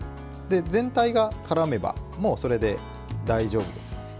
全体が絡めばもう、それで大丈夫です。